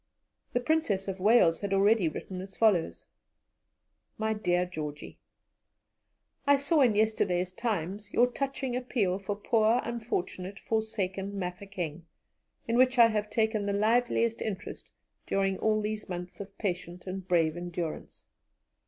The Princess of Wales had already written as follows: "MY DEAR GEORGIE, "I saw in yesterday's Times your touching appeal for poor, unfortunate, forsaken Mafeking, in which I have taken the liveliest interest during all these months of patient and brave endurance.